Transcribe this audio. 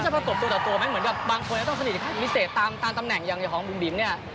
ถ้าประกบตัวมันเหมือนกับบางคนก็ต้องสนิทกับใครอย่างวิเศษตามตำแหน่งอย่างอย่างของบิ๋มเนี่ย